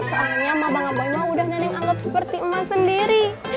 soalnya mama bang abai mah udah nenek anggap seperti emas sendiri